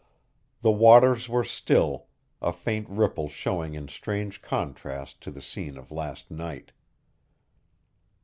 The waters were still, a faint ripple showing in strange contrast to the scene of last night.